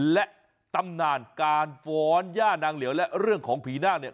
และตำนานการฟ้อนย่านางเหลียวและเรื่องของผีนาคเนี่ย